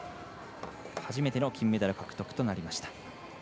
初めての金メダル獲得となりました。